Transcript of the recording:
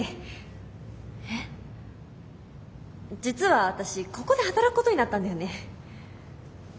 実は私ここで働くことになったんだよね。